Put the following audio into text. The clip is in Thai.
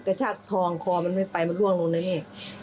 กระชากทองคอมันไม่ไปมันล่วงลงนะแม่